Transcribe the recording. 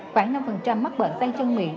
khoảng năm mắc bệnh tay chân miệng